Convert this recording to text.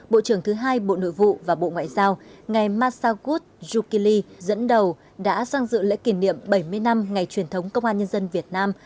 bộ trưởng thứ hai bộ nội vụ và bộ ngoại giao ngài masagut yukili dẫn đầu đã sang dự lễ kỷ niệm bảy mươi năm ngày truyền thống công an nhân dân việt nam